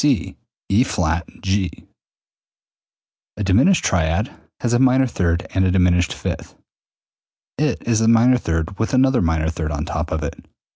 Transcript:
C E[flat] G. A diminished triad has a minor third and a diminished fifth, i.e., it is a minor third with another minor third on top of it.